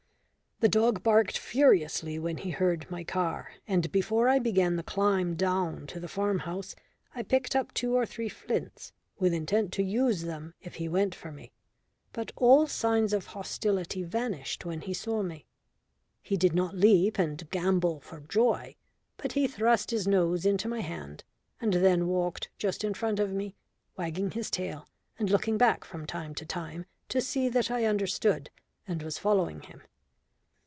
The dog barked furiously when he heard my car, and before I began the climb down to the farm house I picked up two or three flints with intent to use them if he went for me. But all signs of hostility vanished when he saw me. He did not leap and gambol for joy, but he thrust his nose into my hand and then walked just in front of me, wagging his tail, and looking back from time to time to see that I understood and was following him.